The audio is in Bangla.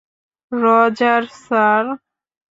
Roger, sir!